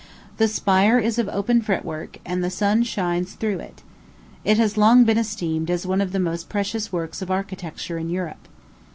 The spire is of open fretwork, and the sun shines through it. It has long been esteemed as one of the most precious works of architecture in Europe.